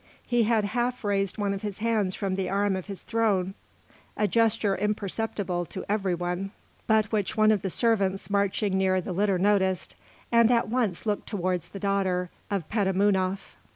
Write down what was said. He had half raised one of his hands from the arm of his throne, a gesture imperceptible to every one, but which one of the servants marching near the litter noticed, and at once looked towards the daughter of Petamounoph.